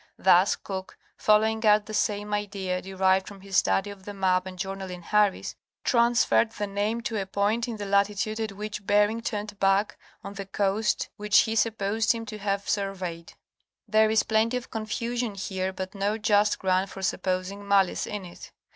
Thus Cook, following out the same idea derived from his study of the map and journal in Harris, transferred the name to a point in the latitude at which Bering turned back, on the coast which he supposed him to have surveyed. There is plenty of confusion here but no just ground for supposing malice in it..